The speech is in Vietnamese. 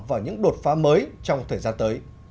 vào những đột phá mới trong thời gian tới